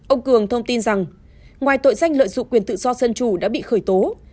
ông cường thông tin rằng ngoài tội danh lợi dụng quyền tự do dân chủ đã bị khởi tố